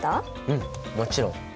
うんもちろん！